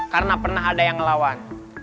karena pernah ada yang ngelawan